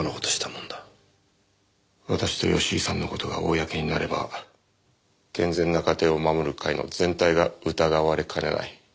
私と吉井さんの事が公になれば健全な家庭を守る会の全体が疑われかねない。